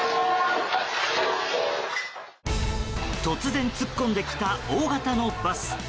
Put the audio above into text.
突然突っ込んできた大型のバス。